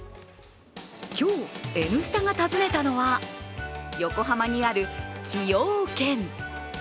今日「Ｎスタ」が訪ねたのは、横浜にある崎陽軒。